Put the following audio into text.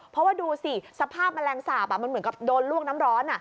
เพราะว่าดูสิสภาพแมลงสาปมันเหมือนกับโดนลวกน้ำร้อน